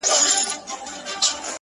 كله’كله يې ديدن تــه لـيونـى سم’